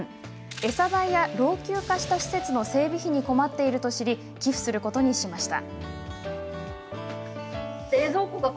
餌代や老朽化した施設の整備費に困っていると知り寄付することにしました。